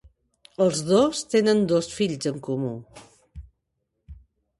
Els dos tenen dos fills en comú.